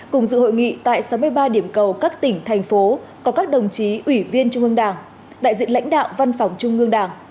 cùng dự hội nghị tại sáu mươi ba điểm cầu các tỉnh thành phố có các đồng chí ủy viên trung ương đảng đại diện lãnh đạo văn phòng trung ương đảng